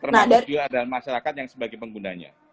pemerintah juga ada masyarakat yang sebagai penggunanya